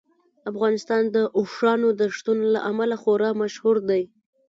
افغانستان د اوښانو د شتون له امله خورا مشهور دی.